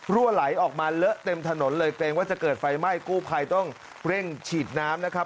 ไหลออกมาเลอะเต็มถนนเลยเกรงว่าจะเกิดไฟไหม้กู้ภัยต้องเร่งฉีดน้ำนะครับ